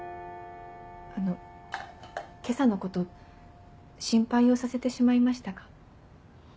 あの今朝のこと心配をさせてしまいましたか？